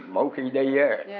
mỗi khi đi á